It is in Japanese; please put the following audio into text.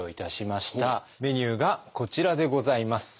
メニューがこちらでございます。